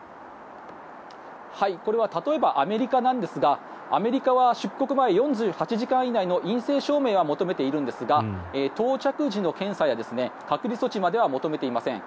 これは例えばアメリカなんですがアメリカは出国前４８時間以内の陰性証明は求めているんですが到着時の検査や隔離措置までは求めていません。